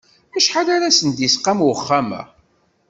Acḥal ara sen-d-isqam uxxam-a?